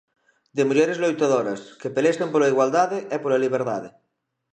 De mulleres loitadoras, que pelexan pola igualdade e pola liberdade.